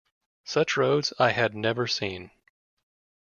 Such roads I had never seen.